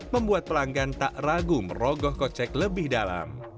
membuat pelanggan tak ragu merogoh kocek lebih dalam